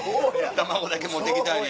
卵だけ持ってきたり。